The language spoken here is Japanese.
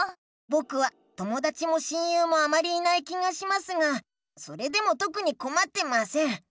ぼくはともだちも親友もあまりいない気がしますがそれでもとくにこまってません。